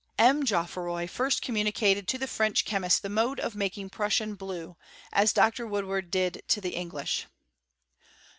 M. GeofiVoy first communicated to the French che mists the mode of making Prussian blue, as Dr. Woodward did to the English.